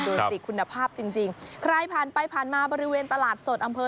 ดูสิคุณภาพจริงจริงใครผ่านไปผ่านมาบริเวณตลาดสดอำเภอ